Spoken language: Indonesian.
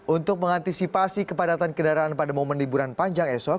untuk mengantisipasi kepadatan kendaraan pada momen liburan panjang esok